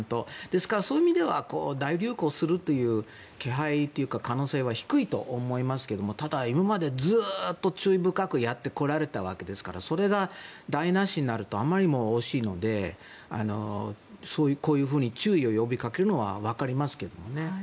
ですから、そういう意味では大流行するという気配というか可能性は低いと思いますけどただ今までずっと注意深くやってこられたわけですからそれが台無しになるとあまりにも惜しいのでこういうふうに注意を呼びかけるのはわかりますけど。